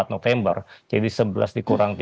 dua puluh empat november jadi sebelas dikurang tiga